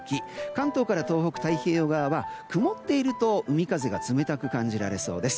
関東から東北、太平洋側は曇っていると海風が冷たく感じられそうです。